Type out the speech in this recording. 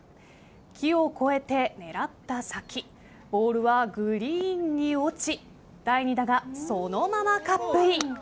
木を越えて狙った先ボールはグリーンに落ち第２打がそのままカップイン。